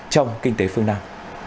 trong kinh tế phương nam